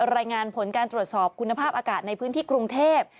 รายงานผลการตรวจสอบคุณภาพอากาศในพื้นที่กรุงเทพ